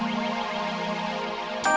sampai jumpa lagi